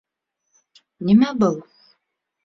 — Нимә был?